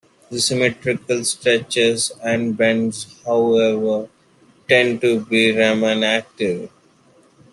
Symmetrical stretches and bends, however, tend to be Raman active.